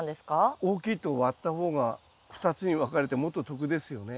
大きいと割った方が２つに分かれてもっと得ですよね。